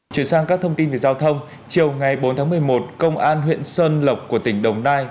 chuyển sang các thông tin về giao thông chiều ngày bốn tháng một mươi một công an huyện sơn lộc của tỉnh đồng nai